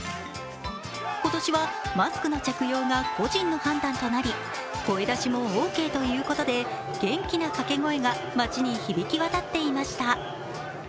今年はマスクの着用が個人の判断となり、声出しもオーケーということで、元気なかけ声が街に響きわたっていました。